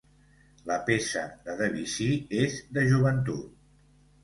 La peça de Debussy és de joventut.